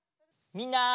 みんな。